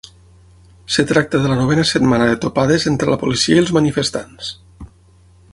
Es tracta de la novena setmana de topades entre la policia i els manifestants.